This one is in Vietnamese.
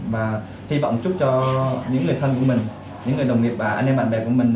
và hy vọng chúc cho những người thân của mình những người đồng nghiệp bà anh em bạn bè của mình